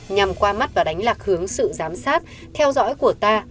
nhằm qua mắt và đánh lạc hướng sự giám sát theo dõi của ta